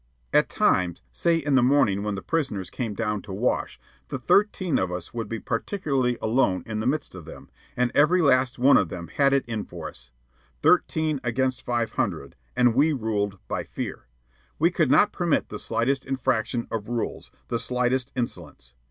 At times, say in the morning when the prisoners came down to wash, the thirteen of us would be practically alone in the midst of them, and every last one of them had it in for us. Thirteen against five hundred, and we ruled by fear. We could not permit the slightest infraction of rules, the slightest insolence.